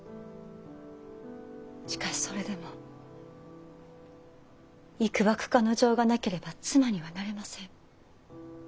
しかしそれでもいくばくかの情がなければ妻にはなれません。